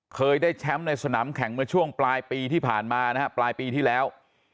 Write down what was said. เคยได้แชมป์ในสนามแข่งเมื่อช่วงปลายปีที่ผ่านมานะฮะปลายปีที่แล้ว